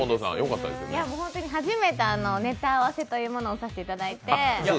初めてネタ合わせというものをさせていただいて。